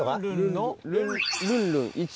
ルンルン１。